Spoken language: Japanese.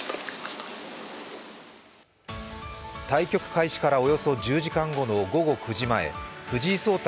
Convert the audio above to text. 対局開始からおよそ１０時間後の午後９時前藤井聡太